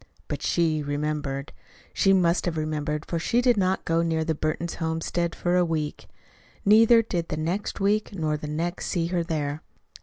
But she remembered. She must have remembered, for she did not go near the Burton homestead for a week. Neither did the next week nor the next see her there.